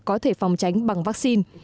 có thể phòng tránh bằng vaccine